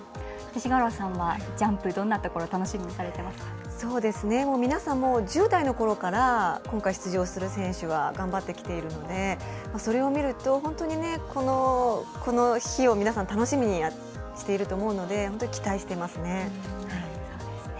勅使川原さんはジャンプ、どんなところ皆さん１０代のころから今回、出場する選手は頑張ってきているのでそれを見ると、本当にこの日を皆さん楽しみにしていると思うので本当に期待していますね。